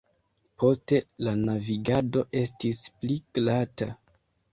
Poste la navigado estis pli glata.